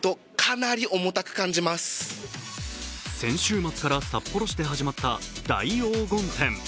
先週末から札幌市で始まった「大黄金展」。